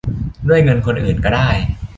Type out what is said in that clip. ด้วยเงินคนอื่นก็ได้